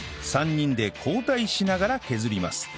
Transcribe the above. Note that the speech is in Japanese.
３人で交代しながら削ります